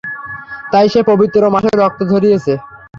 তাই সে পবিত্র মাসে রক্ত ঝরিয়েছে।